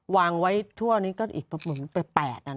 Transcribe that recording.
วางไว้ทั่วนี้ก็อีกประมาณ๘อัน